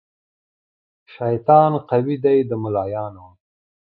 شیطان قوي دی د ملایانو